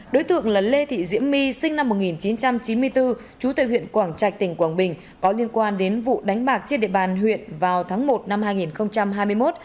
đối tượng là lê thị diễm my sinh năm một nghìn chín trăm chín mươi bốn chú tại huyện quảng trạch tỉnh quảng bình có liên quan đến vụ đánh bạc trên địa bàn huyện vào tháng một năm hai nghìn hai mươi một